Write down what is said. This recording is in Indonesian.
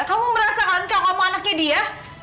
kamu merasakan kok kamu anaknya dia